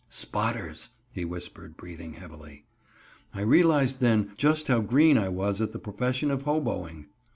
"Spotters," he whispered, breathing heavily. I realized then just how green I was at the profession of hoboing.